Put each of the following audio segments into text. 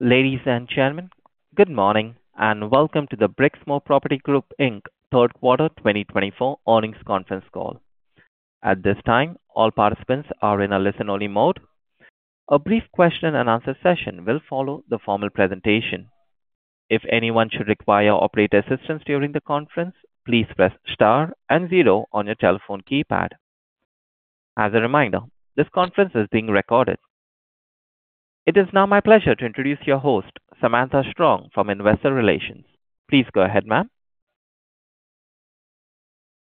Ladies and gentlemen, good morning and welcome to the Brixmor Property Group Inc. Third Quarter 2024 Earnings Conference Call. At this time, all participants are in a listen-only mode. A brief question-and-answer session will follow the formal presentation. If anyone should require operator assistance during the conference, please press star and zero on your telephone keypad. As a reminder, this conference is being recorded. It is now my pleasure to introduce your host, Samantha Strong from Investor Relations. Please go ahead, ma'am.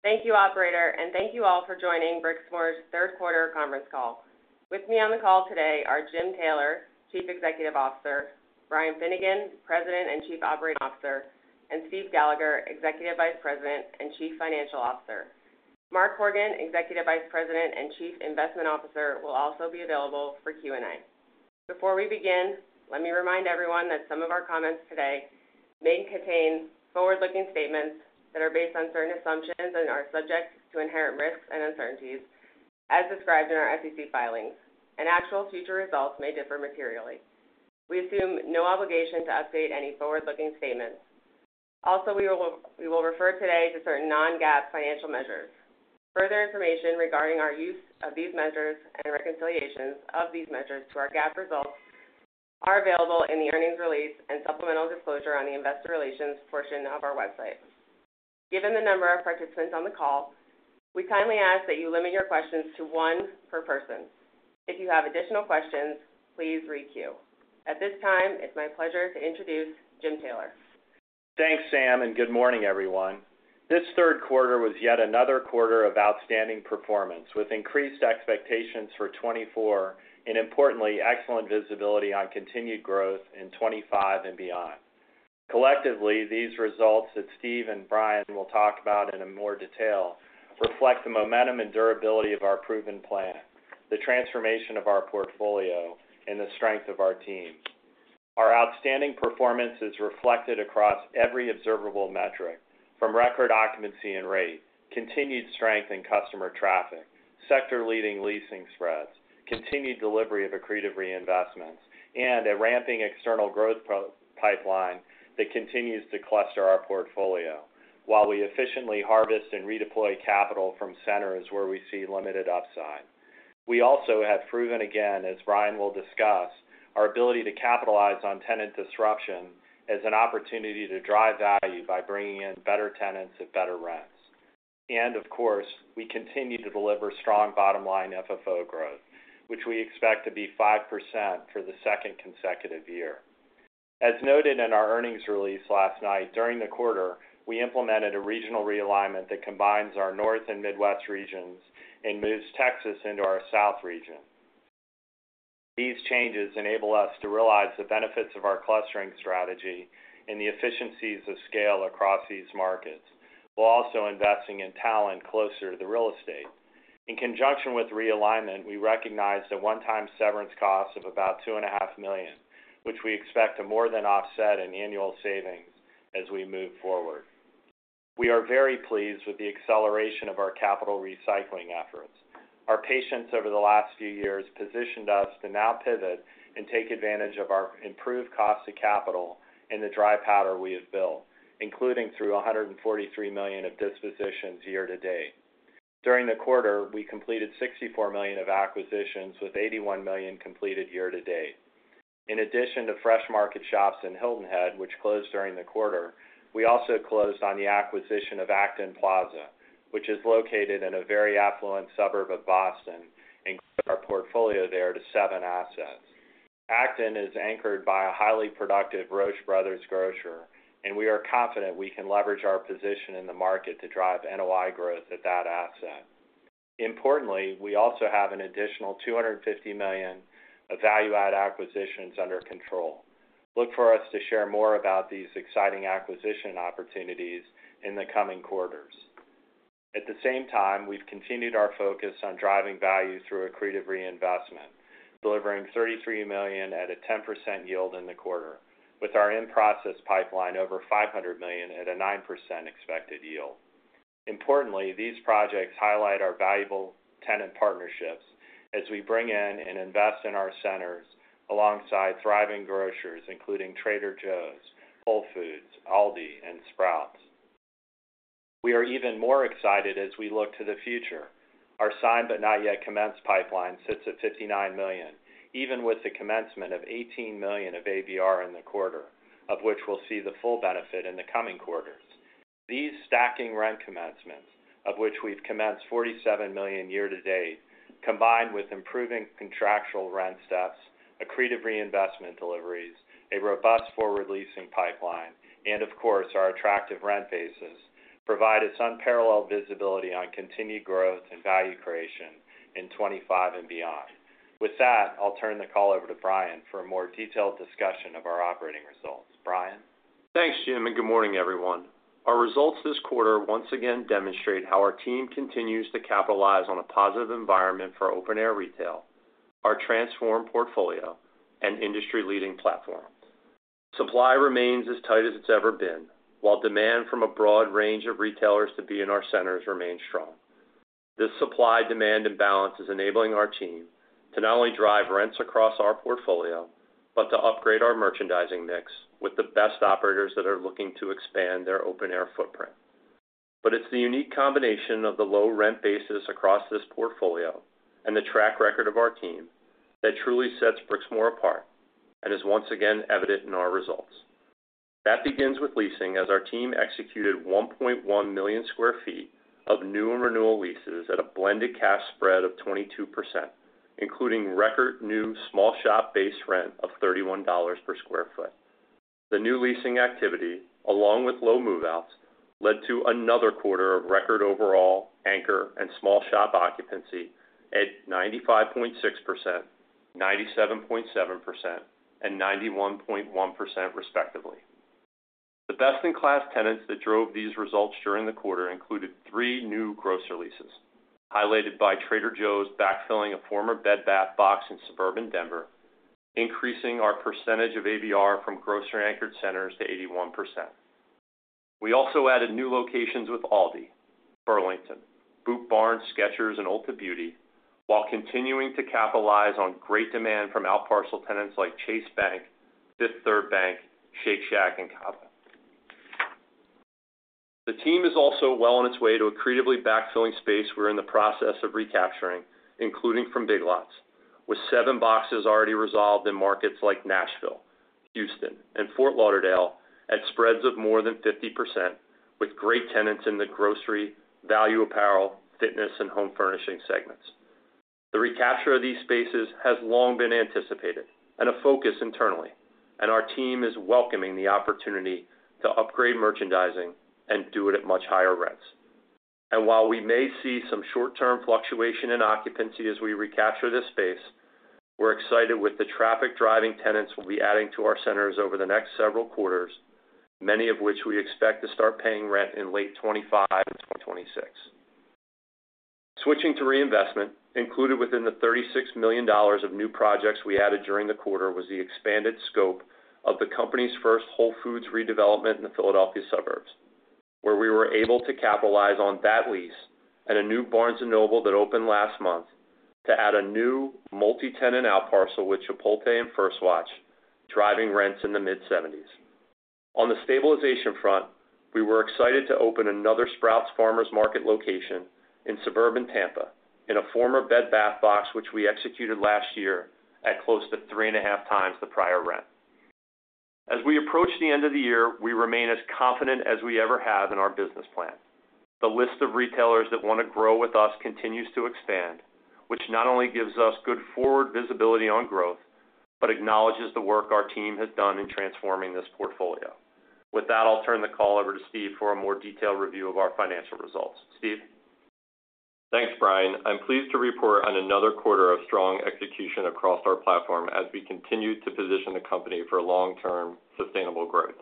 Thank you, Operator, and thank you all for joining Brixmor's Third Quarter Conference Call. With me on the call today are Jim Taylor, Chief Executive Officer; Brian Finnegan, President and Chief Operating Officer; and Steve Gallagher, Executive Vice President and Chief Financial Officer. Mark Horgan, Executive Vice President and Chief Investment Officer, will also be available for Q&A. Before we begin, let me remind everyone that some of our comments today may contain forward-looking statements that are based on certain assumptions and are subject to inherent risks and uncertainties, as described in our SEC filings, and actual future results may differ materially. We assume no obligation to update any forward-looking statements. Also, we will refer today to certain non-GAAP financial measures. Further information regarding our use of these measures and reconciliations of these measures to our GAAP results are available in the earnings release and supplemental disclosure on the Investor Relations portion of our website. Given the number of participants on the call, we kindly ask that you limit your questions to one per person. If you have additional questions, please re-queue. At this time, it's my pleasure to introduce Jim Taylor. Thanks, Sam, and good morning, everyone. This third quarter was yet another quarter of outstanding performance, with increased expectations for 2024 and, importantly, excellent visibility on continued growth in 2025 and beyond. Collectively, these results that Steve and Brian will talk about in more detail reflect the momentum and durability of our proven plan, the transformation of our portfolio, and the strength of our team. Our outstanding performance is reflected across every observable metric, from record occupancy and rate, continued strength in customer traffic, sector-leading leasing spreads, continued delivery of accretive reinvestments, and a ramping external growth pipeline that continues to cluster our portfolio, while we efficiently harvest and redeploy capital from centers where we see limited upside. We also have proven again, as Brian will discuss, our ability to capitalize on tenant disruption as an opportunity to drive value by bringing in better tenants at better rents. Of course, we continue to deliver strong bottom-line FFO growth, which we expect to be 5% for the second consecutive year. As noted in our earnings release last night, during the quarter, we implemented a regional realignment that combines our north and midwest regions and moves Texas into our south region. These changes enable us to realize the benefits of our clustering strategy and the efficiencies of scale across these markets, while also investing in talent closer to the real estate. In conjunction with realignment, we recognize a one-time severance cost of about $2.5 million, which we expect to more than offset in annual savings as we move forward. We are very pleased with the acceleration of our capital recycling efforts. Our patience over the last few years positioned us to now pivot and take advantage of our improved cost of capital and the dry powder we have built, including through $143 million of dispositions year to date. During the quarter, we completed $64 million of acquisitions, with $81 million completed year to date. In addition to fresh market shops in Hilton Head, which closed during the quarter, we also closed on the acquisition of Acton Plaza, which is located in a very affluent suburb of Boston, and grow our portfolio there to seven assets. Acton is anchored by a highly productive Roche Brothers grocer, and we are confident we can leverage our position in the market to drive NOI growth at that asset. Importantly, we also have an additional $250 million of value-add acquisitions under control. Look for us to share more about these exciting acquisition opportunities in the coming quarters. At the same time, we've continued our focus on driving value through accretive reinvestment, delivering $33 million at a 10% yield in the quarter, with our in-process pipeline over $500 million at a 9% expected yield. Importantly, these projects highlight our valuable tenant partnerships as we bring in and invest in our centers alongside thriving grocers, including Trader Joe's, Whole Foods, Aldi, and Sprouts. We are even more excited as we look to the future. Our signed-but-not-yet-commenced pipeline sits at $59 million, even with the commencement of $18 million of ABR in the quarter, of which we'll see the full benefit in the coming quarters. These stacking rent commencements, of which we've commenced $47 million year to date, combined with improving contractual rent steps, accretive reinvestment deliveries, a robust forward-leasing pipeline, and, of course, our attractive rent bases, provide us unparalleled visibility on continued growth and value creation in 2025 and beyond. With that, I'll turn the call over to Brian for a more detailed discussion of our operating results. Brian. Thanks, Jim, and good morning, everyone. Our results this quarter once again demonstrate how our team continues to capitalize on a positive environment for open-air retail, our transformed portfolio, and industry-leading platforms. Supply remains as tight as it's ever been, while demand from a broad range of retailers to be in our centers remains strong. This supply-demand imbalance is enabling our team to not only drive rents across our portfolio but to upgrade our merchandising mix with the best operators that are looking to expand their open-air footprint. But it's the unique combination of the low rent bases across this portfolio and the track record of our team that truly sets Brixmor apart and is once again evident in our results. That begins with leasing, as our team executed 1.1 million sq ft of new and renewal leases at a blended cash spread of 22%, including record new small-shop base rent of $31 per sq ft. The new leasing activity, along with low move-outs, led to another quarter of record overall anchor and small-shop occupancy at 95.6%, 97.7%, and 91.1%, respectively. The best-in-class tenants that drove these results during the quarter included three new grocer leases, highlighted by Trader Joe's backfilling a former Bed Bath box in suburban Denver, increasing our percentage of ABR from grocery-anchored centers to 81%. We also added new locations with Aldi, Burlington, Boot Barn, Skechers, and Ulta Beauty, while continuing to capitalize on great demand from outparcel tenants like Chase Bank, Fifth Third Bank, Shake Shack, and Cava. The team is also well on its way to accretively backfilling space we're in the process of recapturing, including from Big Lots, with seven boxes already resolved in markets like Nashville, Houston, and Fort Lauderdale at spreads of more than 50%, with great tenants in the grocery, value apparel, fitness, and home furnishing segments. The recapture of these spaces has long been anticipated and a focus internally, and our team is welcoming the opportunity to upgrade merchandising and do it at much higher rents, and while we may see some short-term fluctuation in occupancy as we recapture this space, we're excited with the traffic driving tenants we'll be adding to our centers over the next several quarters, many of which we expect to start paying rent in late 2025 and 2026. Switching to reinvestment, included within the $36 million of new projects we added during the quarter was the expanded scope of the company's first Whole Foods redevelopment in the Philadelphia suburbs, where we were able to capitalize on that lease and a new Barnes & Noble that opened last month to add a new multi-tenant outparcel with Chipotle and First Watch, driving rents in the mid-70s. On the stabilization front, we were excited to open another Sprouts Farmers Market location in suburban Tampa in a former Bed Bath box, which we executed last year at close to three and a half times the prior rent. As we approach the end of the year, we remain as confident as we ever have in our business plan. The list of retailers that want to grow with us continues to expand, which not only gives us good forward visibility on growth but acknowledges the work our team has done in transforming this portfolio. With that, I'll turn the call over to Steve for a more detailed review of our financial results. Steve? Thanks, Brian. I'm pleased to report on another quarter of strong execution across our platform as we continue to position the company for long-term sustainable growth.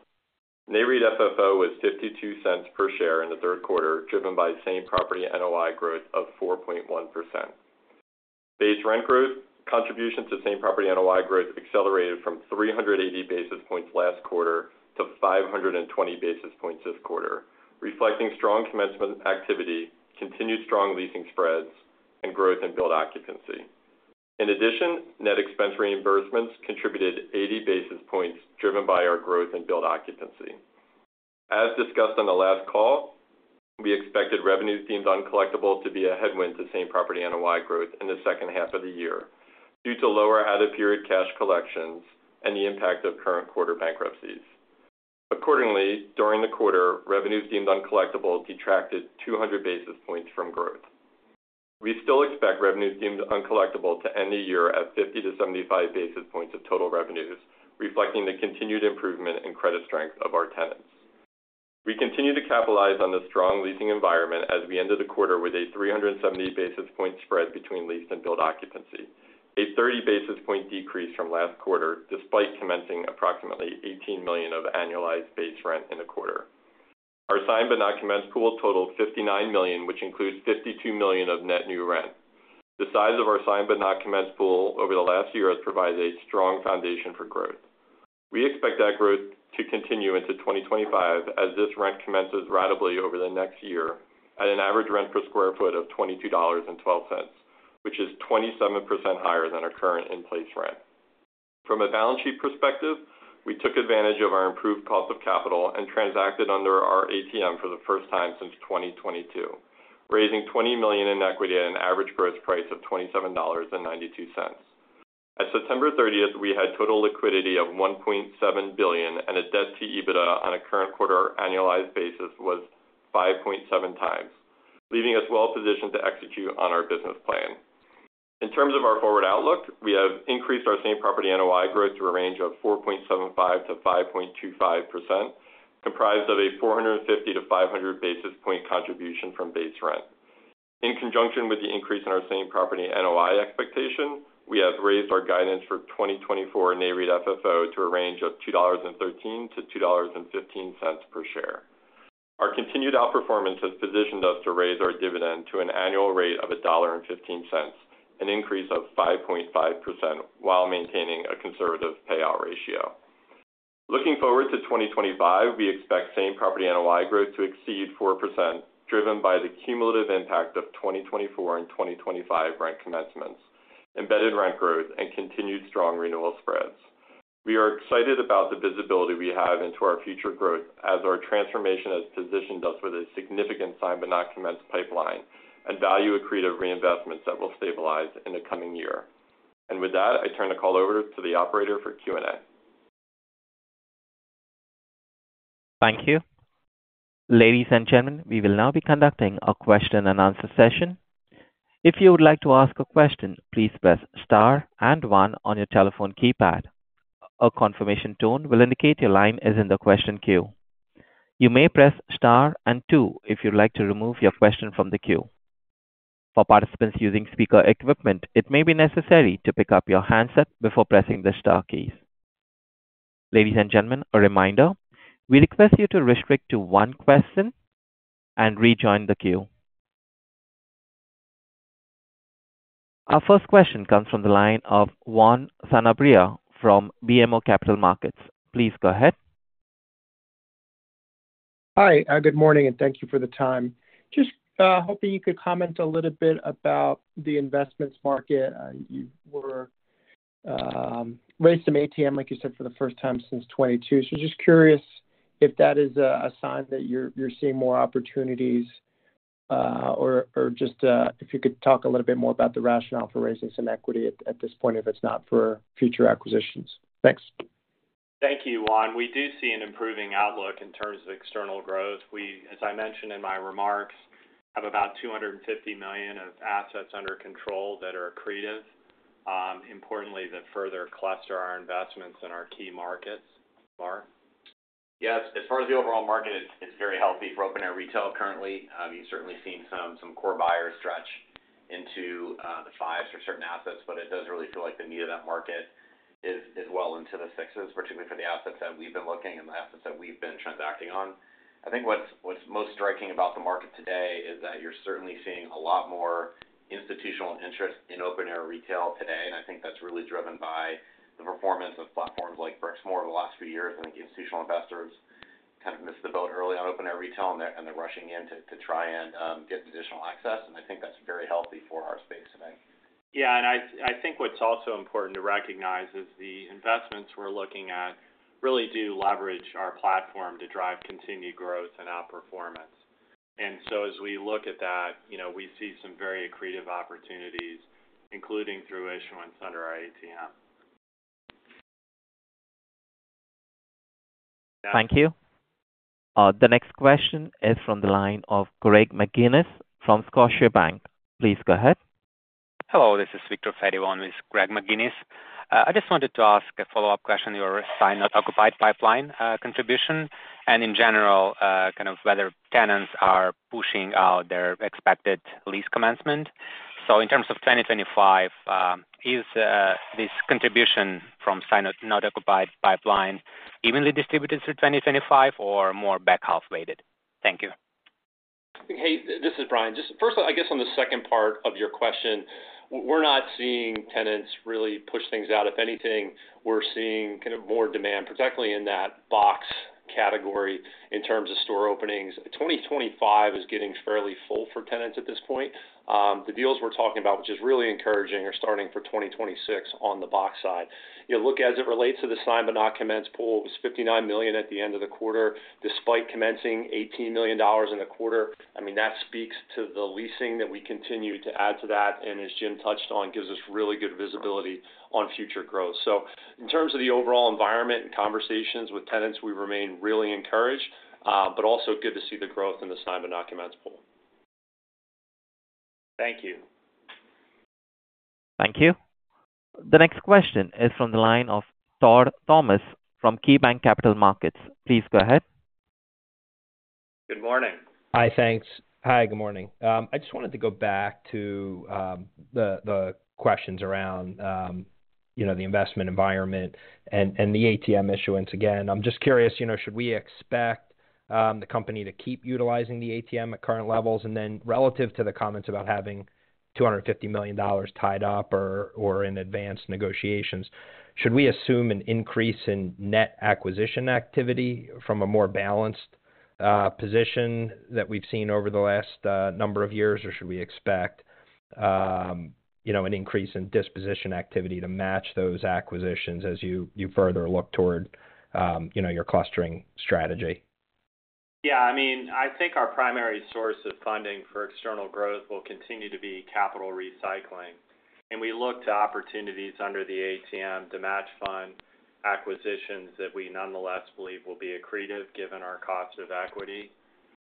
Nareit FFO was $0.52 per share in the third quarter, driven by same property NOI growth of 4.1%. Base rent growth contribution to same property NOI growth accelerated from 380 basis points last quarter to 520 basis points this quarter, reflecting strong commencement activity, continued strong leasing spreads, and growth in billed occupancy. In addition, net expense reimbursements contributed 80 basis points, driven by our growth in billed occupancy. As discussed on the last call, we expected revenues deemed uncollectible to be a headwind to same property NOI growth in the second half of the year due to lower out-of-period cash collections and the impact of current quarter bankruptcies. Accordingly, during the quarter, revenues deemed uncollectible detracted 200 basis points from growth. We still expect revenues deemed uncollectible to end the year at 50-75 basis points of total revenues, reflecting the continued improvement in credit strength of our tenants. We continue to capitalize on the strong leasing environment as we ended the quarter with a 370 basis points spread between leased and billed occupancy, a 30 basis points decrease from last quarter, despite commencing approximately $18 million of annualized base rent in the quarter. Our signed-but-not-commenced pool totaled $59 million, which includes $52 million of net new rent. The size of our signed-but-not-commenced pool over the last year has provided a strong foundation for growth. We expect that growth to continue into 2025 as this rent commences ratably over the next year at an average rent per sq ft of $22.12, which is 27% higher than our current in-place rent. From a balance sheet perspective, we took advantage of our improved cost of capital and transacted under our ATM for the first time since 2022, raising $20 million in equity at an average gross price of $27.92. At September 30th, we had total liquidity of $1.7 billion, and a debt-to-EBITDA on a current quarter annualized basis was 5.7 times, leaving us well-positioned to execute on our business plan. In terms of our forward outlook, we have increased our same property NOI growth to a range of 4.75%-5.25%, comprised of a 450-500 basis point contribution from base rent. In conjunction with the increase in our same property NOI expectation, we have raised our guidance for 2024 Nareit FFO to a range of $2.13-$2.15 per share. Our continued outperformance has positioned us to raise our dividend to an annual rate of $1.15, an increase of 5.5%, while maintaining a conservative payout ratio. Looking forward to 2025, we expect Same Property NOI growth to exceed 4%, driven by the cumulative impact of 2024 and 2025 rent commencements, embedded rent growth, and continued strong renewal spreads. We are excited about the visibility we have into our future growth as our transformation has positioned us with a significant signed-but-not-commenced pipeline and value-accretive reinvestments that will stabilize in the coming year. And with that, I turn the call over to the operator for Q&A. Thank you. Ladies and gentlemen, we will now be conducting a question-and-answer session. If you would like to ask a question, please press star and one on your telephone keypad. A confirmation tone will indicate your line is in the question queue. You may press star and two if you'd like to remove your question from the queue. For participants using speaker equipment, it may be necessary to pick up your handset before pressing the star keys. Ladies and gentlemen, a reminder, we request you to restrict to one question and rejoin the queue. Our first question comes from the line of Juan Sanabria from BMO Capital Markets. Please go ahead. Hi, good morning, and thank you for the time. Just hoping you could comment a little bit about the investments market. You've raised some ATM, like you said, for the first time since 2022. So just curious if that is a sign that you're seeing more opportunities or just if you could talk a little bit more about the rationale for raising some equity at this point, if it's not for future acquisitions. Thanks. Thank you, Juan. We do see an improving outlook in terms of external growth. We, as I mentioned in my remarks, have about $250 million of assets under control that are accretive, importantly, that further cluster our investments in our key markets. Mark. Yes. As far as the overall market, it's very healthy for open-air retail currently. You've certainly seen some core buyers stretch into the fives for certain assets, but it does really feel like the need of that market is well into the sixes, particularly for the assets that we've been looking and the assets that we've been transacting on. I think what's most striking about the market today is that you're certainly seeing a lot more institutional interest in open-air retail today, and I think that's really driven by the performance of platforms like Brixmor over the last few years. I think institutional investors kind of missed the boat early on open-air retail, and they're rushing in to try and get additional access, and I think that's very healthy for our space today. Yeah, and I think what's also important to recognize is the investments we're looking at really do leverage our platform to drive continued growth and outperformance, and so as we look at that, we see some very accretive opportunities, including through issuance under our ATM. Thank you. The next question is from the line of Greg McGinniss from Scotiabank. Please go ahead. Hello, this is Viktor Fediv with Greg McGinniss. I just wanted to ask a follow-up question on your signed-but-not-occupied pipeline contribution and, in general, kind of whether tenants are pushing out their expected lease commencement. So in terms of 2025, is this contribution from signed-but-not-occupied pipeline evenly distributed through 2025 or more back-half-weighted? Thank you. Hey, this is Brian. Just first, I guess on the second part of your question, we're not seeing tenants really push things out. If anything, we're seeing kind of more demand, particularly in that box category in terms of store openings. 2025 is getting fairly full for tenants at this point. The deals we're talking about, which is really encouraging, are starting for 2026 on the box side. You look as it relates to the signed-but-not-commenced pool, it was $59 million at the end of the quarter, despite commencing $18 million in the quarter. I mean, that speaks to the leasing that we continue to add to that, and as Jim touched on, gives us really good visibility on future growth. So in terms of the overall environment and conversations with tenants, we remain really encouraged, but also good to see the growth in the signed-but-not-commenced pool. Thank you. Thank you. The next question is from the line of Todd Thomas from KeyBank Capital Markets. Please go ahead. Good morning. Hi, thanks. Hi, good morning. I just wanted to go back to the questions around the investment environment and the ATM issuance again. I'm just curious, should we expect the company to keep utilizing the ATM at current levels? And then relative to the comments about having $250 million tied up or in advanced negotiations, should we assume an increase in net acquisition activity from a more balanced position that we've seen over the last number of years, or should we expect an increase in disposition activity to match those acquisitions as you further look toward your clustering strategy? Yeah, I mean, I think our primary source of funding for external growth will continue to be capital recycling, and we look to opportunities under the ATM to match fund acquisitions that we nonetheless believe will be accretive given our cost of equity.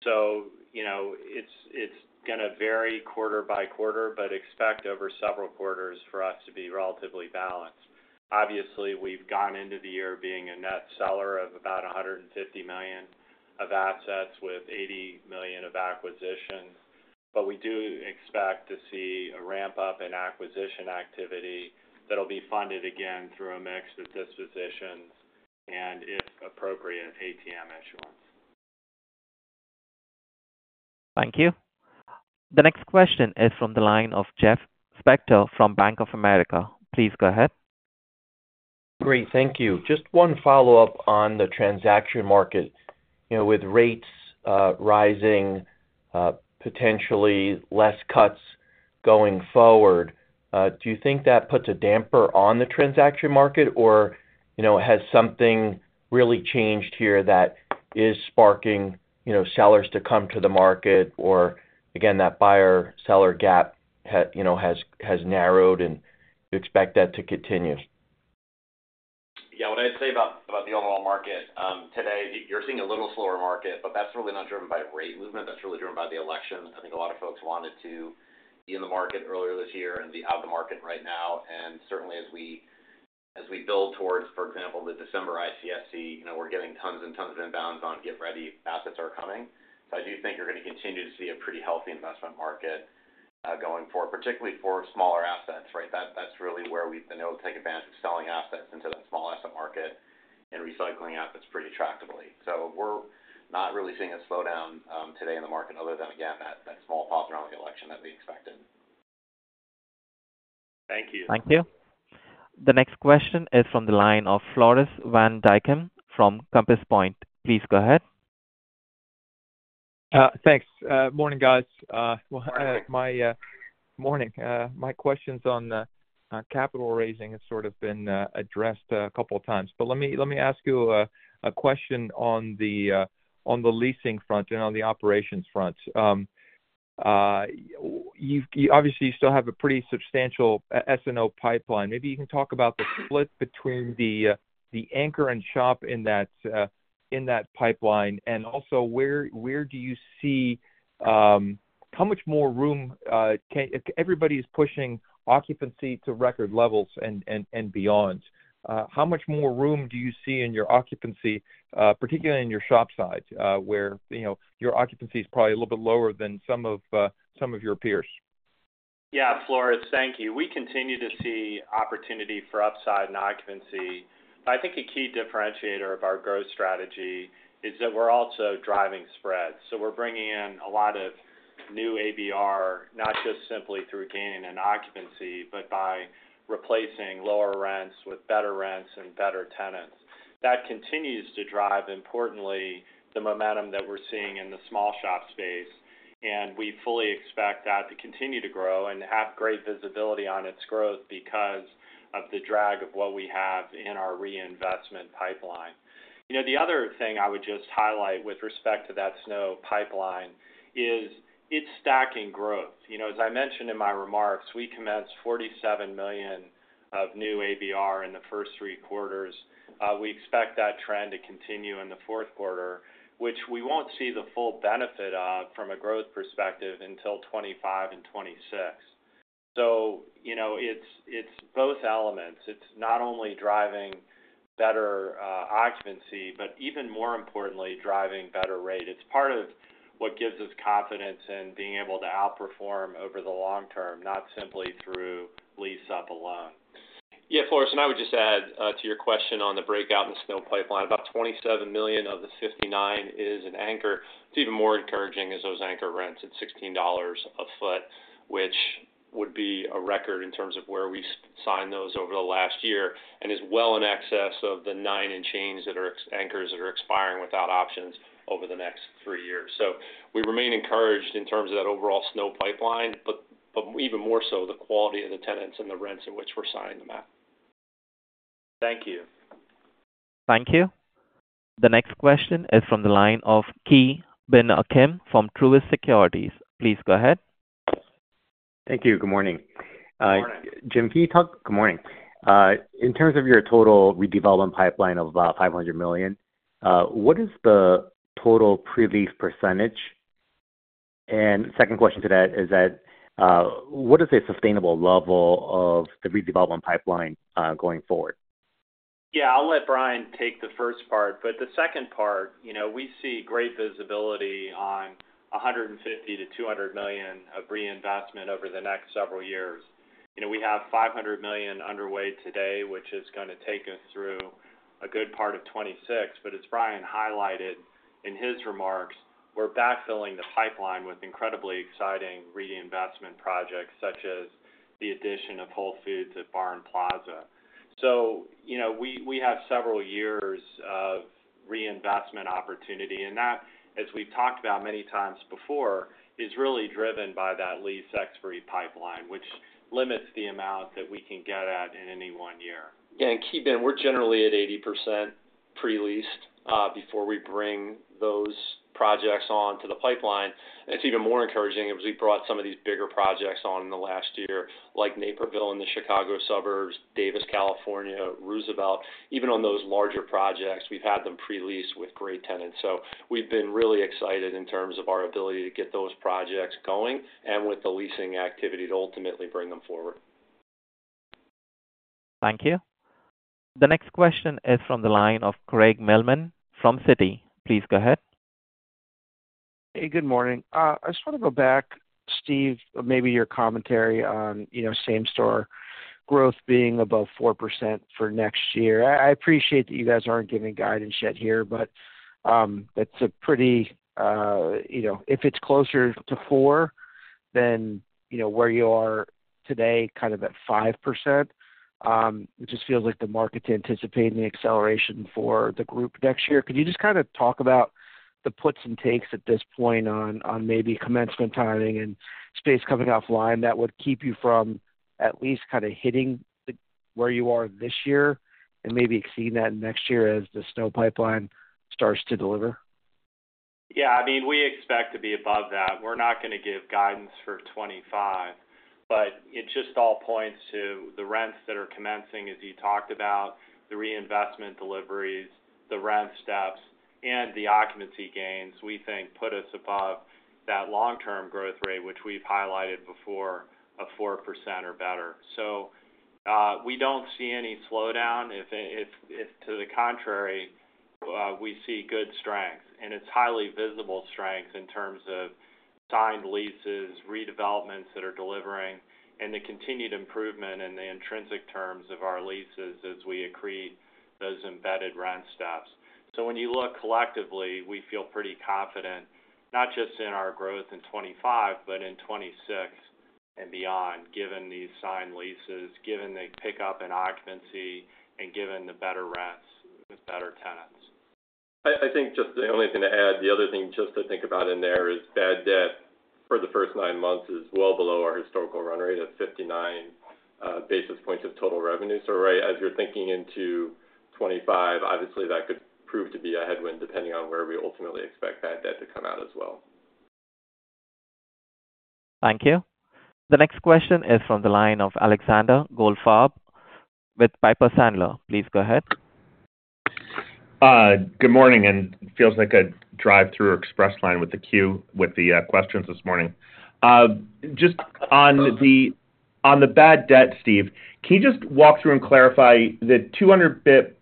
So it's going to vary quarter by quarter, but expect over several quarters for us to be relatively balanced. Obviously, we've gone into the year being a net seller of about $150 million of assets with $80 million of acquisitions, but we do expect to see a ramp-up in acquisition activity that'll be funded again through a mix of dispositions and, if appropriate, ATM issuance. Thank you. The next question is from the line of Jeff Spector from Bank of America. Please go ahead. Great, thank you. Just one follow-up on the transaction market. With rates rising, potentially less cuts going forward, do you think that puts a damper on the transaction market, or has something really changed here that is sparking sellers to come to the market, or again, that buyer-seller gap has narrowed and you expect that to continue? Yeah, what I'd say about the overall market today, you're seeing a little slower market, but that's really not driven by rate movement. That's really driven by the election. I think a lot of folks wanted to be in the market earlier this year and be out of the market right now. And certainly, as we build towards, for example, the December ICSC, we're getting tons and tons of inbounds on get-ready assets are coming. So I do think you're going to continue to see a pretty healthy investment market going forward, particularly for smaller assets, right? That's really where we've been able to take advantage of selling assets into that small asset market and recycling assets pretty attractively. So we're not really seeing a slowdown today in the market other than, again, that small pop around the election that we expected. Thank you. Thank you. The next question is from the line of Floris van Dijkum from Compass Point. Please go ahead. Thanks. Morning, guys. Morning. Morning. My questions on capital raising have sort of been addressed a couple of times. But let me ask you a question on the leasing front and on the operations front. Obviously, you still have a pretty substantial SNO pipeline. Maybe you can talk about the split between the anchor and shop in that pipeline, and also where do you see how much more room everybody is pushing occupancy to record levels and beyond. How much more room do you see in your occupancy, particularly in your shop side, where your occupancy is probably a little bit lower than some of your peers? Yeah, Floris, thank you. We continue to see opportunity for upside in occupancy. I think a key differentiator of our growth strategy is that we're also driving spreads. So we're bringing in a lot of new ABR, not just simply through gaining in occupancy, but by replacing lower rents with better rents and better tenants. That continues to drive, importantly, the momentum that we're seeing in the small shop space, and we fully expect that to continue to grow and have great visibility on its growth because of the drag of what we have in our reinvestment pipeline. The other thing I would just highlight with respect to that SNO pipeline is it's stacking growth. As I mentioned in my remarks, we commenced $47 million of new ABR in the first three quarters. We expect that trend to continue in the fourth quarter, which we won't see the full benefit of from a growth perspective until 2025 and 2026. So it's both elements. It's not only driving better occupancy, but even more importantly, driving better rate. It's part of what gives us confidence in being able to outperform over the long term, not simply through lease-up alone. Yeah, Floris, and I would just add to your question on the breakout in the SNO pipeline, about $27 million of the $59 million is an anchor. It's even more encouraging as those anchor rents at $16 a foot, which would be a record in terms of where we signed those over the last year and is well in excess of the nine and change anchors that are expiring without options over the next three years. So we remain encouraged in terms of that overall SNO pipeline, but even more so the quality of the tenants and the rents in which we're signing them at. Thank you. Thank you. The next question is from the line of Ki Bin Kim from Truist Securities. Please go ahead. Thank you. Good morning. Good morning. Jim, can you talk? Good morning. In terms of your total redevelopment pipeline of about $500 million, what is the total pre-lease percentage? And second question to that is that what is a sustainable level of the redevelopment pipeline going forward? Yeah, I'll let Brian take the first part, but the second part, we see great visibility on $150 million-$200 million of reinvestment over the next several years. We have $500 million underway today, which is going to take us through a good part of 2026, but as Brian highlighted in his remarks, we're backfilling the pipeline with incredibly exciting reinvestment projects such as the addition of Whole Foods at Barn Plaza. So we have several years of reinvestment opportunity, and that, as we've talked about many times before, is really driven by that lease-expiry pipeline, which limits the amount that we can get at in any one year. Yeah, and Ki Bin Kim, we're generally at 80% pre-leased before we bring those projects onto the pipeline. It's even more encouraging as we brought some of these bigger projects on in the last year, like Naperville in the Chicago suburbs, Davis, California, Roosevelt. Even on those larger projects, we've had them pre-leased with great tenants. So we've been really excited in terms of our ability to get those projects going and with the leasing activity to ultimately bring them forward. Thank you. The next question is from the line of Craig Mailman from Citi. Please go ahead. Hey, good morning. I just want to go back, Steve, maybe your commentary on same-store growth being above 4% for next year. I appreciate that you guys aren't giving guidance yet here, but that's a pretty if it's closer to 4 than where you are today, kind of at 5%, it just feels like the market's anticipating the acceleration for the group next year. Could you just kind of talk about the puts and takes at this point on maybe commencement timing and space coming offline that would keep you from at least kind of hitting where you are this year and maybe exceeding that next year as the SNO pipeline starts to deliver? Yeah, I mean, we expect to be above that. We're not going to give guidance for 2025, but it just all points to the rents that are commencing, as you talked about, the reinvestment deliveries, the rent steps, and the occupancy gains, we think put us above that long-term growth rate, which we've highlighted before of 4% or better. So we don't see any slowdown. To the contrary, we see good strength, and it's highly visible strength in terms of signed leases, redevelopments that are delivering, and the continued improvement in the intrinsic terms of our leases as we accrete those embedded rent steps. So when you look collectively, we feel pretty confident, not just in our growth in 2025, but in 2026 and beyond, given these signed leases, given the pickup in occupancy, and given the better rents with better tenants. I think just the only thing to add, the other thing just to think about in there is bad debt for the first nine months is well below our historical run rate at 59 basis points of total revenue. So right as you're thinking into 2025, obviously that could prove to be a headwind depending on where we ultimately expect bad debt to come out as well. Thank you. The next question is from the line of Alexander Goldfarb with Piper Sandler. Please go ahead. Good morning, and it feels like a drive-through express line with the queue with the questions this morning. Just on the bad debt, Steve, can you just walk through and clarify the 200 basis points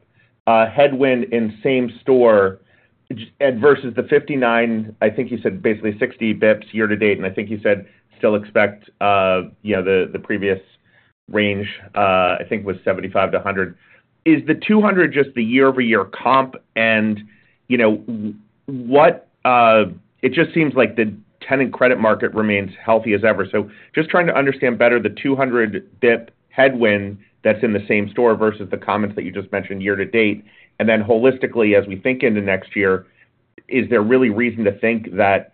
headwind in same-store versus the 59, I think you said basically 60 basis points year to date, and I think you said still expect the previous range, I think was 75 to 100. Is the 200 just the year-over-year comp? And it just seems like the tenant credit market remains healthy as ever. So just trying to understand better the 200 basis points headwind that's in the same-store versus the comments that you just mentioned year to date. And then holistically, as we think into next year, is there really reason to think that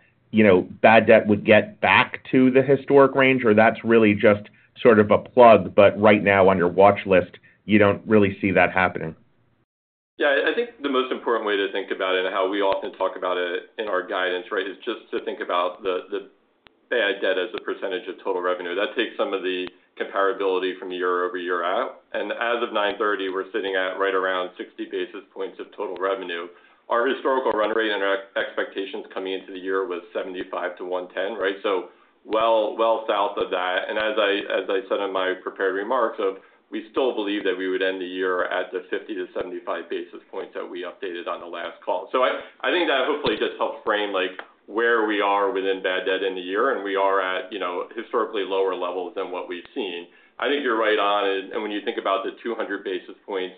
bad debt would get back to the historic range, or that's really just sort of a plug, but right now on your watch list, you don't really see that happening? Yeah, I think the most important way to think about it and how we often talk about it in our guidance, right, is just to think about the bad debt as a percentage of total revenue. That takes some of the comparability from year-over-year out. And as of 9/30, we're sitting at right around 60 basis points of total revenue. Our historical run rate and our expectations coming into the year was 75 to 110, right? So well south of that. And as I said in my prepared remarks, we still believe that we would end the year at the 50 to 75 basis points that we updated on the last call. So I think that hopefully just helps frame where we are within bad debt in the year, and we are at historically lower levels than what we've seen. I think you're right on. And when you think about the 200 basis points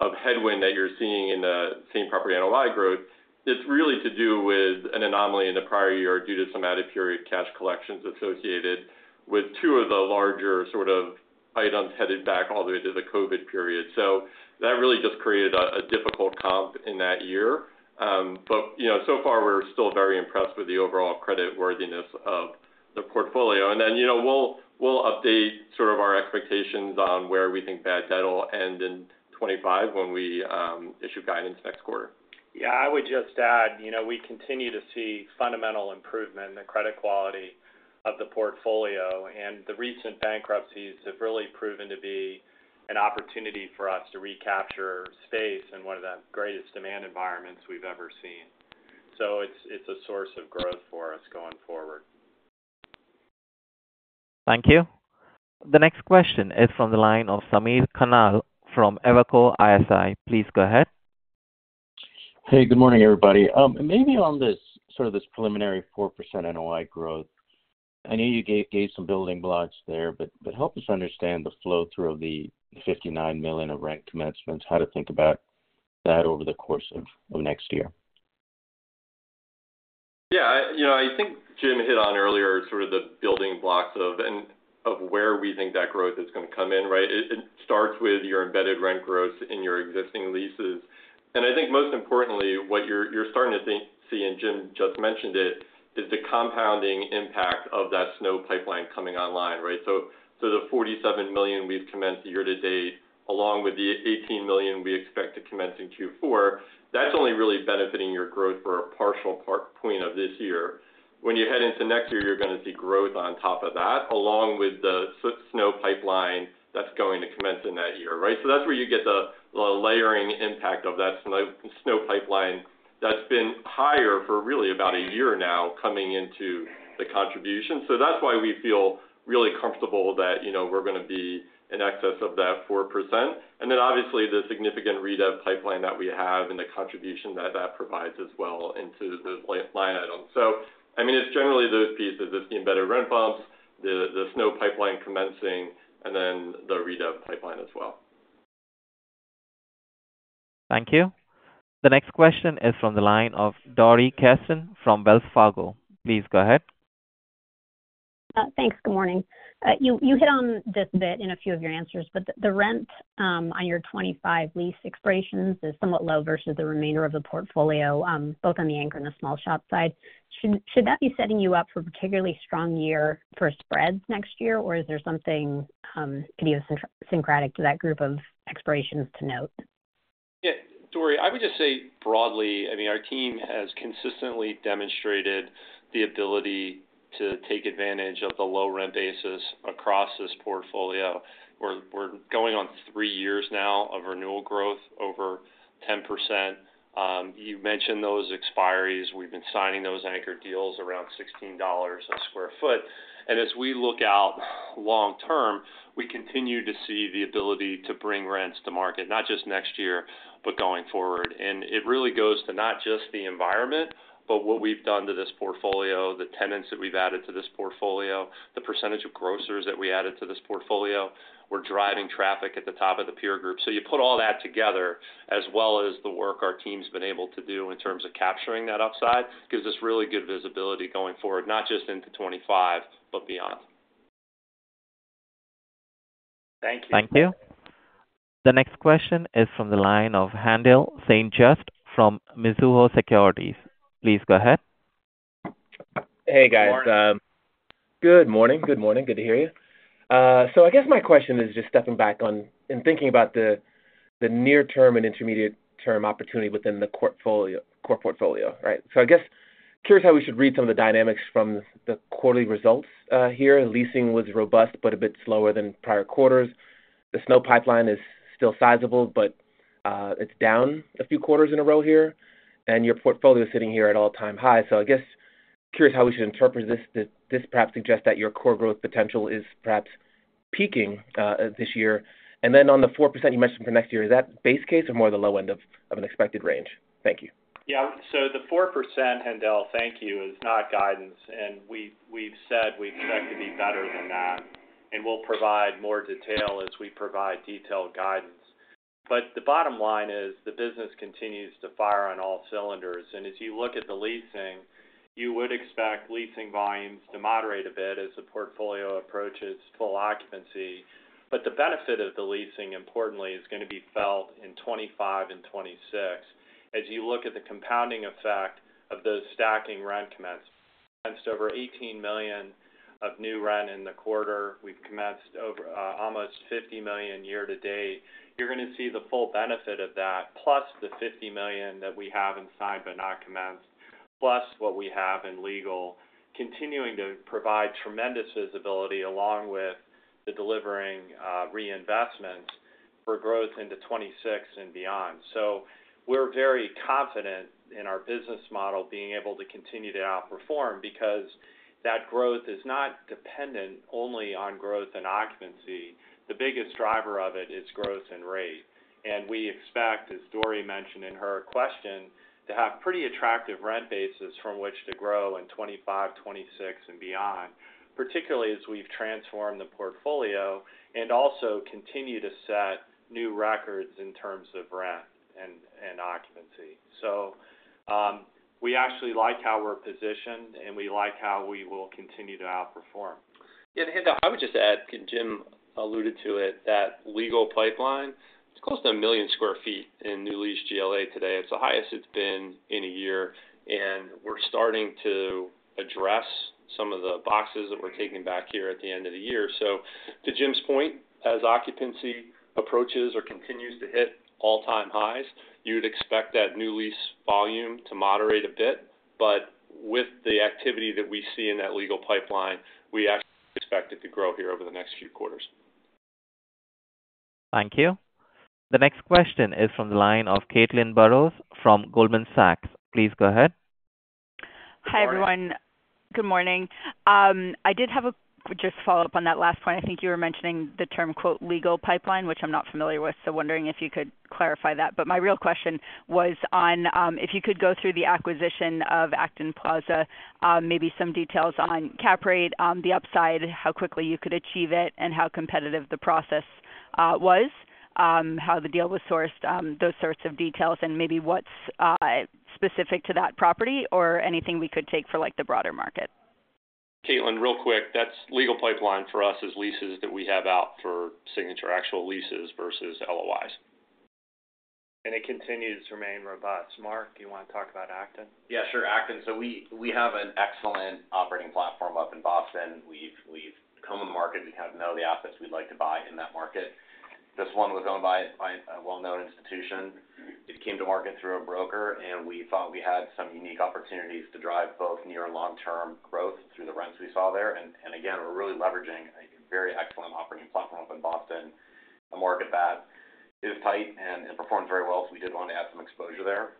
of headwind that you're seeing in the same property NOI growth, it's really to do with an anomaly in the prior year due to some added period cash collections associated with two of the larger sort of items headed back all the way to the COVID period. So that really just created a difficult comp in that year. But so far, we're still very impressed with the overall creditworthiness of the portfolio. And then we'll update sort of our expectations on where we think bad debt will end in 2025 when we issue guidance next quarter. Yeah, I would just add we continue to see fundamental improvement in the credit quality of the portfolio, and the recent bankruptcies have really proven to be an opportunity for us to recapture space in one of the greatest demand environments we've ever seen. So it's a source of growth for us going forward. Thank you. The next question is from the line of Samir Khanal from Evercore ISI. Please go ahead. Hey, good morning, everybody. Maybe on this sort of this preliminary 4% NOI growth, I know you gave some building blocks there, but help us understand the flow through of the $59 million of rent commencements, how to think about that over the course of next year. Yeah, I think Jim hit on earlier sort of the building blocks of where we think that growth is going to come in, right? It starts with your embedded rent growth in your existing leases. And I think most importantly, what you're starting to see, and Jim just mentioned it, is the compounding impact of that SNO pipeline coming online, right? So the $47 million we've commenced year to date, along with the $18 million we expect to commence in Q4, that's only really benefiting your growth for a partial point of this year. When you head into next year, you're going to see growth on top of that, along with the SNO pipeline that's going to commence in that year, right? So that's where you get the layering impact of that SNO pipeline that's been higher for really about a year now coming into the contribution. So that's why we feel really comfortable that we're going to be in excess of that 4%. And then obviously the significant redev pipeline that we have and the contribution that that provides as well into those line items. So I mean, it's generally those pieces, just the embedded rent bumps, the SNO pipeline commencing, and then the redev pipeline as well. Thank you. The next question is from the line of Dori Kesten from Wells Fargo. Please go ahead. Thanks. Good morning. You hit on this bit in a few of your answers, but the rent on your 2025 lease expirations is somewhat low versus the remainder of the portfolio, both on the anchor and the small shop side. Should that be setting you up for a particularly strong year for spreads next year, or is there something idiosyncratic to that group of expirations to note? Yeah, Dori, I would just say broadly. I mean, our team has consistently demonstrated the ability to take advantage of the low rent basis across this portfolio. We're going on three years now of renewal growth over 10%. You mentioned those expiries. We've been signing those anchor deals around $16 a sq ft. And as we look out long term, we continue to see the ability to bring rents to market, not just next year, but going forward. And it really goes to not just the environment, but what we've done to this portfolio, the tenants that we've added to this portfolio, the percentage of grocers that we added to this portfolio. We're driving traffic at the top of the peer group. So, you put all that together, as well as the work our team's been able to do in terms of capturing that upside, gives us really good visibility going forward, not just into 2025, but beyond. Thank you. Thank you. The next question is from the line of Haendel St. Juste from Mizuho Securities. Please go ahead. Hey, guys. Good morning. Good morning. Good to hear you. So I guess my question is just stepping back on and thinking about the near-term and intermediate-term opportunity within the core portfolio, right? So I guess curious how we should read some of the dynamics from the quarterly results here. Leasing was robust, but a bit slower than prior quarters. The SNO pipeline is still sizable, but it's down a few quarters in a row here. And your portfolio is sitting here at all-time high. So I guess curious how we should interpret this. This perhaps suggests that your core growth potential is perhaps peaking this year. And then on the 4% you mentioned for next year, is that base case or more the low end of an expected range? Thank you. Yeah, so the 4%, Haendel, thank you, is not guidance, and we've said we expect to be better than that, and we'll provide more detail as we provide detailed guidance. But the bottom line is the business continues to fire on all cylinders, and as you look at the leasing, you would expect leasing volumes to moderate a bit as the portfolio approaches full occupancy. But the benefit of the leasing, importantly, is going to be felt in 2025 and 2026. As you look at the compounding effect of those stacking rent commencements, over $18 million of new rent in the quarter. We've commenced almost $50 million year to date. You're going to see the full benefit of that, plus the $50 million that we have in signed but not commenced, plus what we have in legal, continuing to provide tremendous visibility along with the delivering reinvestments for growth into 2026 and beyond. So we're very confident in our business model being able to continue to outperform because that growth is not dependent only on growth and occupancy. The biggest driver of it is growth and rate. And we expect, as Dori mentioned in her question, to have pretty attractive rent bases from which to grow in 2025, 2026, and beyond, particularly as we've transformed the portfolio and also continue to set new records in terms of rent and occupancy. So we actually like how we're positioned, and we like how we will continue to outperform. Yeah, Haendel, I would just add, and Jim alluded to it, that legal pipeline, it's close to a million sq ft in new lease GLA today. It's the highest it's been in a year, and we're starting to address some of the boxes that we're taking back here at the end of the year. So to Jim's point, as occupancy approaches or continues to hit all-time highs, you'd expect that new lease volume to moderate a bit. But with the activity that we see in that legal pipeline, we actually expect it to grow here over the next few quarters. Thank you. The next question is from the line of Caitlin Burrows from Goldman Sachs. Please go ahead. Hi, everyone. Good morning. I did have just a follow-up on that last point. I think you were mentioning the term "legal pipeline," which I'm not familiar with, so wondering if you could clarify that. But my real question was on if you could go through the acquisition of Acton Plaza, maybe some details on cap rate, the upside, how quickly you could achieve it, and how competitive the process was, how the deal was sourced, those sorts of details, and maybe what's specific to that property or anything we could take for the broader market. Caitlin, real quick, that's legal pipeline for us as leases that we have out for signature actual leases versus LOIs. And it continues to remain robust. Mark, do you want to talk about Acton? Yeah, sure. Acton, so we have an excellent operating platform up in Boston. We've come on the market. We have no assets we'd like to buy in that market. This one was owned by a well-known institution. It came to market through a broker, and we thought we had some unique opportunities to drive both near and long-term growth through the rents we saw there. And again, we're really leveraging a very excellent operating platform up in Boston, a market that is tight and performs very well. We did want to add some exposure there.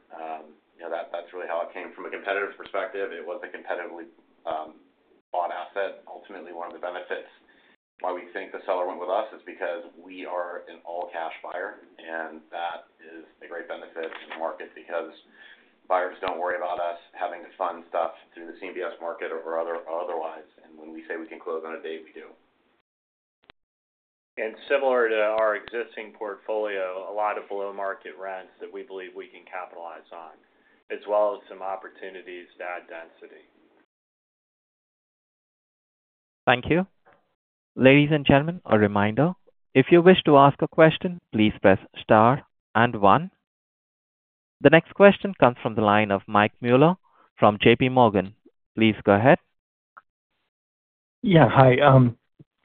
That's really how it came from a competitive perspective. It was a competitively bought asset. Ultimately, one of the benefits why we think the seller went with us is because we are an all-cash buyer, and that is a great benefit in the market because buyers don't worry about us having to fund stuff through the CMBS market or otherwise, and when we say we can close on a date, we do. Similar to our existing portfolio, a lot of below-market rents that we believe we can capitalize on, as well as some opportunities, pad density. Thank you. Ladies and gentlemen, a reminder. If you wish to ask a question, please press star and one. The next question comes from the line of Mike Mueller from JPMorgan. Please go ahead. Yeah, hi.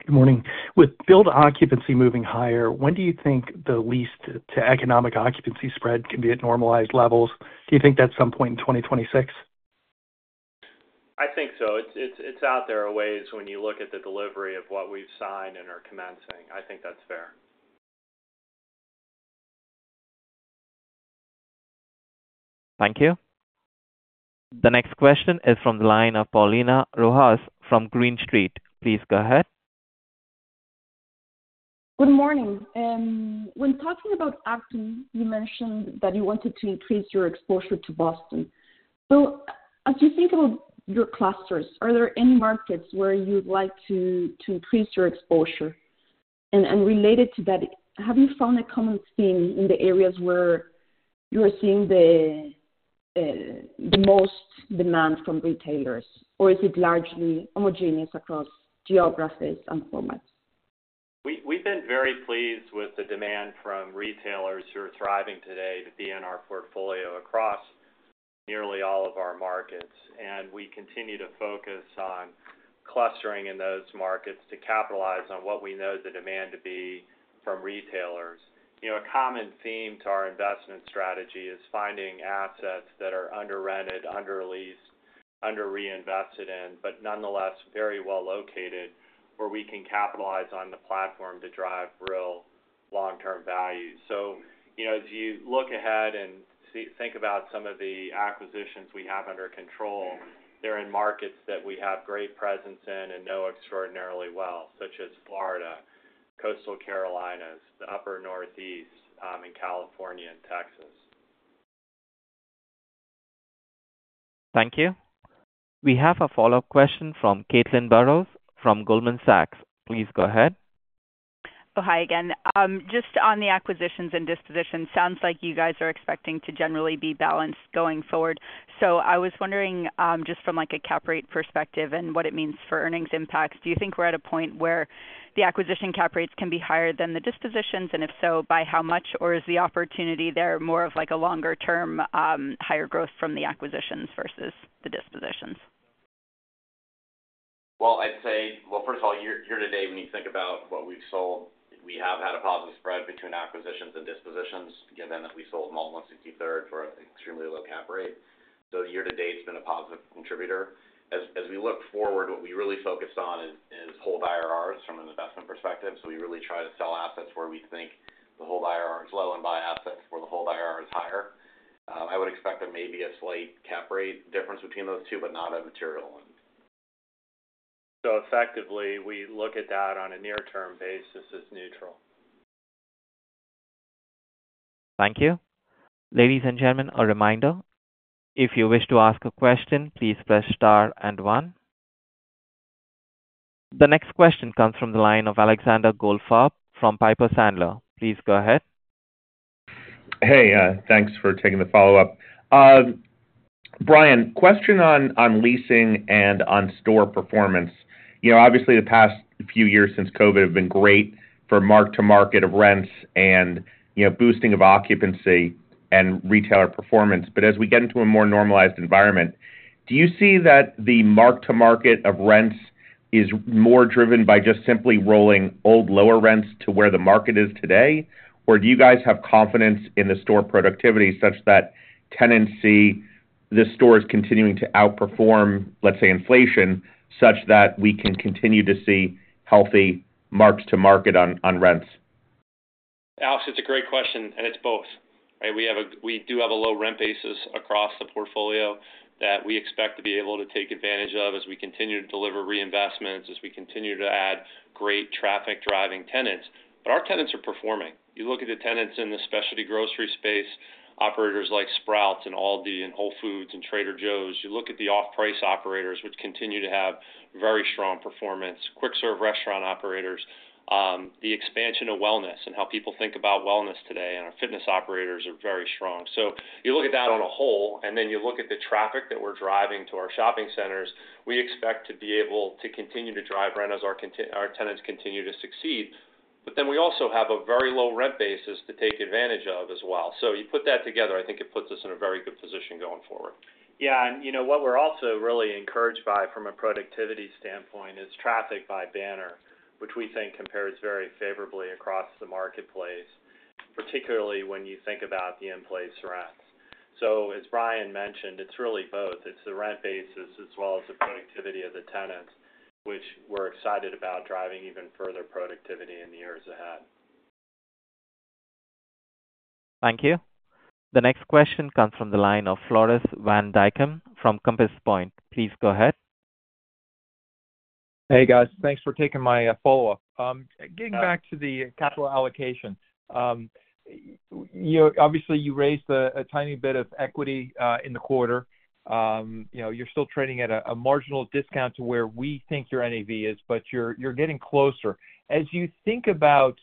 Good morning. With leased occupancy moving higher, when do you think the leased to economic occupancy spread can be at normalized levels? Do you think that's some point in 2026? I think so. It's out there a ways when you look at the delivery of what we've signed and are commencing. I think that's fair. Thank you. The next question is from the line of Paulina Rojas from Green Street. Please go ahead. Good morning. When talking about Acton, you mentioned that you wanted to increase your exposure to Boston. So as you think about your clusters, are there any markets where you'd like to increase your exposure? And related to that, have you found a common theme in the areas where you're seeing the most demand from retailers, or is it largely homogeneous across geographies and formats? We've been very pleased with the demand from retailers who are thriving today to be in our portfolio across nearly all of our markets. And we continue to focus on clustering in those markets to capitalize on what we know the demand to be from retailers. A common theme to our investment strategy is finding assets that are under-rented, under-leased, under-reinvested in, but nonetheless very well located where we can capitalize on the platform to drive real long-term value. So as you look ahead and think about some of the acquisitions we have under control, they're in markets that we have great presence in and know extraordinarily well, such as Florida, coastal Carolinas, the upper northeast, and California and Texas. Thank you. We have a follow-up question from Caitlin Burrows from Goldman Sachs. Please go ahead. Oh, hi again. Just on the acquisitions and disposition, sounds like you guys are expecting to generally be balanced going forward. So I was wondering just from a cap rate perspective and what it means for earnings impacts. Do you think we're at a point where the acquisition cap rates can be higher than the dispositions? And if so, by how much, or is the opportunity there more of a longer-term higher growth from the acquisitions versus the dispositions? Well, I'd say, well, first of all, year to date, when you think about what we've sold, we have had a positive spread between acquisitions and dispositions, given that we sold the Mall at 163rd Street for an extremely low cap rate, so year to date, it's been a positive contributor. As we look forward, what we really focus on is whole IRRs from an investment perspective, so we really try to sell assets where we think the whole IRR is low and buy assets where the whole IRR is higher. I would expect maybe a slight cap rate difference between those two, but not a material one. So effectively, we look at that on a near-term basis as neutral. Thank you. Ladies and gentlemen, a reminder. If you wish to ask a question, please press star and one. The next question comes from the line of Alexander Goldfarb from Piper Sandler. Please go ahead. Hey, thanks for taking the follow-up. Brian, question on leasing and on store performance. Obviously, the past few years since COVID have been great for mark-to-market of rents and boosting of occupancy and retailer performance. But as we get into a more normalized environment, do you see that the mark-to-market of rents is more driven by just simply rolling old lower rents to where the market is today, or do you guys have confidence in the store productivity such that tendency the store is continuing to outperform, let's say, inflation such that we can continue to see healthy mark-to-market on rents? Alex, it's a great question, and it's both. We do have a low rent basis across the portfolio that we expect to be able to take advantage of as we continue to deliver reinvestments, as we continue to add great traffic-driving tenants. But our tenants are performing. You look at the tenants in the specialty grocery space, operators like Sprouts and Aldi and Whole Foods and Trader Joe's. You look at the off-price operators, which continue to have very strong performance, quick-serve restaurant operators. The expansion of wellness and how people think about wellness today and our fitness operators are very strong. So you look at that as a whole, and then you look at the traffic that we're driving to our shopping centers, we expect to be able to continue to drive rent as our tenants continue to succeed. But then we also have a very low rent basis to take advantage of as well. So you put that together, I think it puts us in a very good position going forward. Yeah. And what we're also really encouraged by from a productivity standpoint is traffic by banner, which we think compares very favorably across the marketplace, particularly when you think about the in-place rents. So as Brian mentioned, it's really both. It's the rent basis as well as the productivity of the tenants, which we're excited about driving even further productivity in the years ahead. Thank you. The next question comes from the line of Floris van Dijkum from Compass Point. Please go ahead. Hey, guys. Thanks for taking my follow-up. Getting back to the capital allocation, obviously, you raised a tiny bit of equity in the quarter. You're still trading at a marginal discount to where we think your NAV is, but you're getting closer. As you think about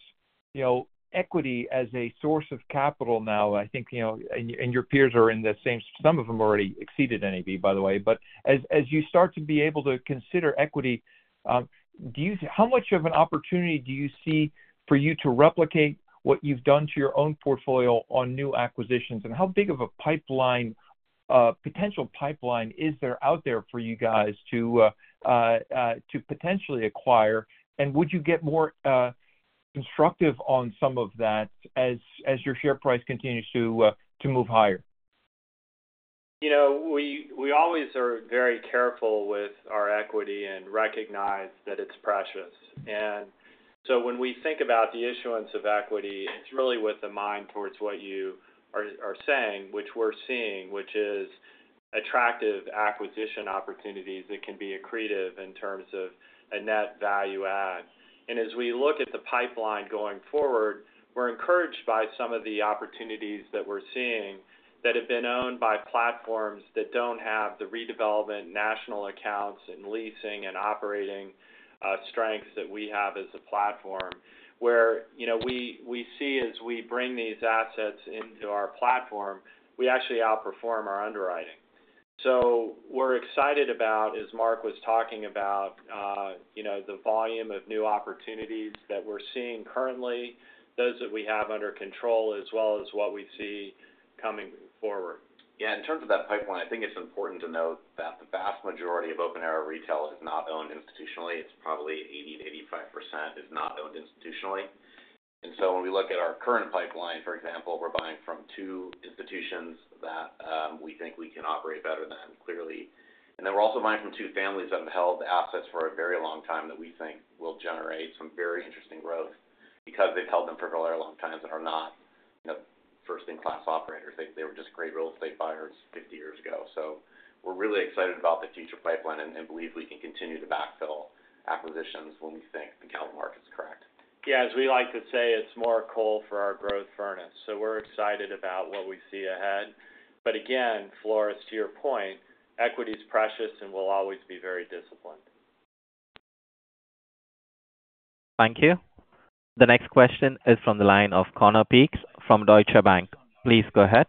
equity as a source of capital now, I think, and your peers are in the same, some of them already exceeded NAV, by the way, but as you start to be able to consider equity, how much of an opportunity do you see for you to replicate what you've done to your own portfolio on new acquisitions? And how big of a potential pipeline is there out there for you guys to potentially acquire? And would you get more constructive on some of that as your share price continues to move higher? We always are very careful with our equity and recognize that it's precious, and so when we think about the issuance of equity, it's really with a mind towards what you are saying, which we're seeing, which is attractive acquisition opportunities that can be accretive in terms of a net value add, and as we look at the pipeline going forward, we're encouraged by some of the opportunities that we're seeing that have been owned by platforms that don't have the redevelopment, national accounts, and leasing and operating strengths that we have as a platform, where we see as we bring these assets into our platform, we actually outperform our underwriting, so we're excited about, as Mark was talking about, the volume of new opportunities that we're seeing currently, those that we have under control, as well as what we see coming forward. Yeah. In terms of that pipeline, I think it's important to note that the vast majority of open-air retail is not owned institutionally. It's probably 80%-85% is not owned institutionally. And so when we look at our current pipeline, for example, we're buying from two institutions that we think we can operate better than, clearly. And then we're also buying from two families that have held assets for a very long time that we think will generate some very interesting growth because they've held them for a very long time that are not first-in-class operators. They were just great real estate buyers 50 years ago. So we're really excited about the future pipeline and believe we can continue to backfill acquisitions when we think the acquisition market's correct. Yeah. As we like to say, it's more coal for our growth furnace. So we're excited about what we see ahead. But again, Floris, to your point, equity is precious and will always be very disciplined. Thank you. The next question is from the line of Conor Peaks from Deutsche Bank. Please go ahead.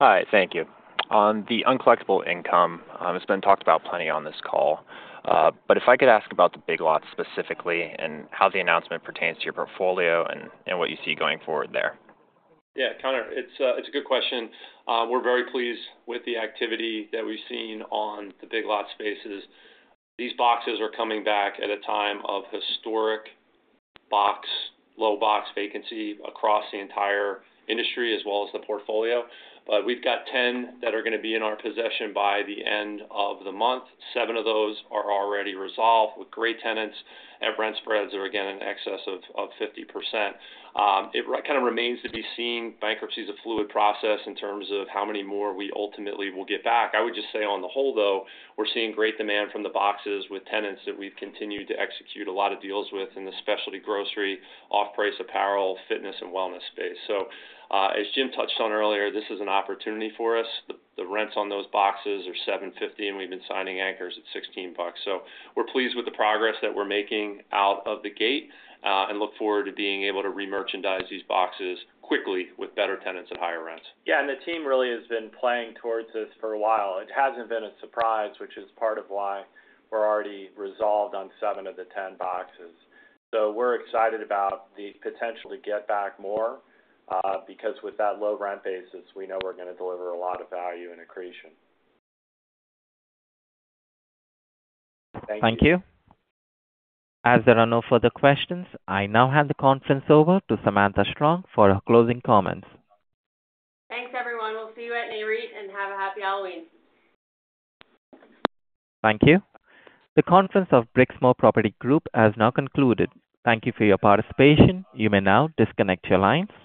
Hi. Thank you. On the uncollectible income, it's been talked about plenty on this call. But if I could ask about the Big Lots specifically and how the announcement pertains to your portfolio and what you see going forward there. Yeah. Connor, it's a good question. We're very pleased with the activity that we've seen on the Big Lots spaces. These boxes are coming back at a time of historic low box vacancy across the entire industry as well as the portfolio. But we've got 10 that are going to be in our possession by the end of the month. Seven of those are already resolved with great tenants, and rent spreads are again in excess of 50%. It kind of remains to be seen. Bankruptcy is a fluid process in terms of how many more we ultimately will get back. I would just say on the whole, though, we're seeing great demand from the boxes with tenants that we've continued to execute a lot of deals with in the specialty grocery, off-price apparel, fitness, and wellness space. So as Jim touched on earlier, this is an opportunity for us. The rents on those boxes are $7.50, and we've been signing anchors at $16. So we're pleased with the progress that we're making out of the gate and look forward to being able to re-merchandise these boxes quickly with better tenants at higher rents. Yeah. And the team really has been playing towards this for a while. It hasn't been a surprise, which is part of why we're already resolved on seven of the 10 boxes. So we're excited about the potential to get back more because with that low rent basis, we know we're going to deliver a lot of value and accretion. Thank you. Thank you. As there are no further questions, I now hand the conference over to Samantha Strong for closing comments. Thanks, everyone. We'll see you at Nareit and have a happy Halloween. Thank you. The conference of Brixmor Property Group has now concluded. Thank you for your participation. You may now disconnect your lines.